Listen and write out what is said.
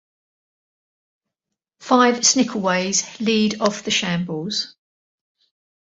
Five Snickelways lead off the Shambles.